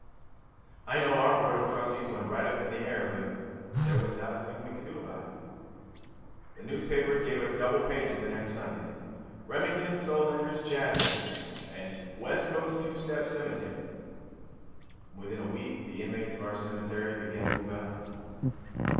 I know our board of trustees went right up in the air, but there was not a thing we could do about it. The newspapers gave us double pages the next Sunday "Remington Solander's Jazz Tomb" and "Westcote's Two Step Cemetery." And within a week the inmates of our cemetery began to move out.